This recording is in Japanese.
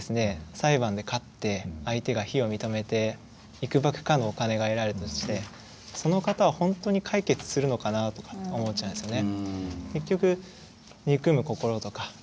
裁判で勝って相手が非を認めていくばくかのお金が得られたとしてその方はほんとに解決するのかなとかって思っちゃうんですよね。